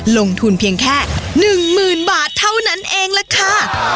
ลงทุนเพียงแค่๑๐๐๐บาทเท่านั้นเองล่ะค่ะ